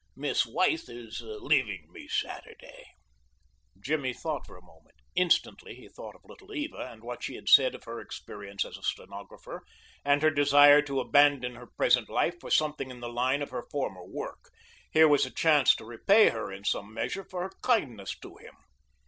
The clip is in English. Miss Withe is leaving me Saturday." Jimmy thought a moment. Instantly he thought of Little Eva and what she had said of her experience as a stenographer, and her desire to abandon her present life for something in the line of her former work. Here was a chance to repay her in some measure for her kindness to him.